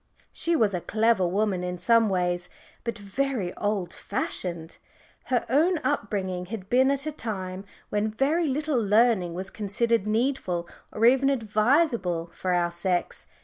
She was a clever woman in some ways, but very old fashioned. Her own upbringing had been at a time when very little learning was considered needful or even advisable for our sex.